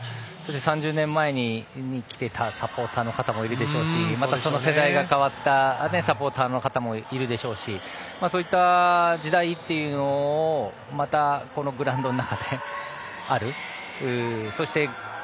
３０年前に来ていたサポーターの方もいるでしょうしその世代が変わったサポーターの方もいるでしょうしそういった時代というのをまた、このグラウンドの中である。